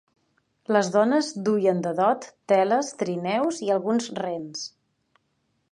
Les dones duien de dot teles, trineus i alguns rens.